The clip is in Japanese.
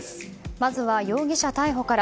まずは容疑者逮捕から。